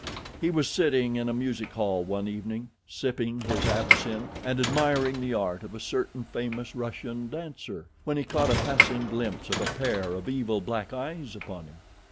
He was sitting in a music hall one evening, sipping his absinth and admiring the art of a certain famous Russian dancer, when he caught a passing glimpse of a pair of evil black eyes upon him.